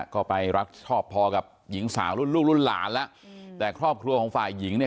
ก็ไปรักชอบพอกับหญิงสาวรุ่นลูกรุ่นหลานแล้วแต่ครอบครัวของฝ่ายหญิงเนี่ย